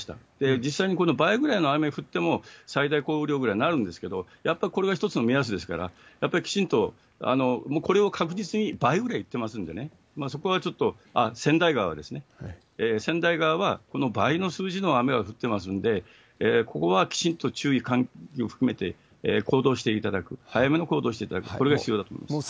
実際にこの倍ぐらいの雨が降っても、最大降雨量ぐらいになるんですけれども、やっぱ一つの目安ですから、やっぱりきちんと、もうこれを確実に、倍ぐらいいってますんでね、そこはちょっと、川内川はこの倍の数字の雨が降ってますので、ここはきちんと注意喚起を含めて行動していただく、早めの行動をしていただく、これが必要だと思います。